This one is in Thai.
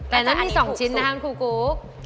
แต่นั่นมี๒ชิ้นนะครับคุณครูกุ๊ก